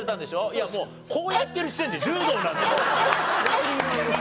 いやもうこうやってる時点で柔道なのよそれ。